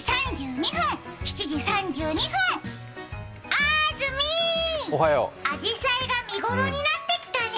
あーずみー、あじさいが見頃になってきたね。